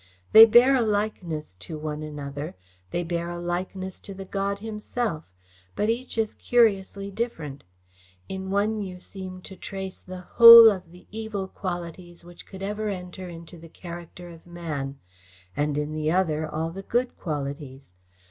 They bear a likeness to one another, they bear a likeness to the God himself, but each is curiously different. In one you seem to trace the whole of the evil qualities which could ever enter into the character of man, and in the other, all the good qualities.